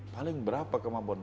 paling berapa kemampuan